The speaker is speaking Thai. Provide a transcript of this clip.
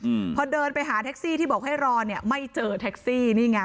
อืมพอเดินไปหาแท็กซี่ที่บอกให้รอเนี้ยไม่เจอแท็กซี่นี่ไง